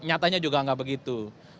nyatanya juga enggak begitu